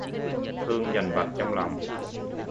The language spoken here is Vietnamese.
Thương dằn vặt trong lòng